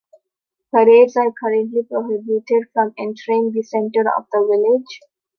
Parades are currently prohibited from entering the centre of the village.